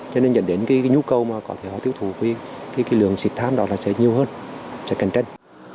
cho nên dẫn đến cái nhu cầu mà có thể họ tiêu thụ cái lượng xịt than đó là sẽ nhiều hơn cho cảnh tranh